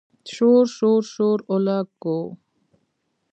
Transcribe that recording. شور، شور، شور اولګوو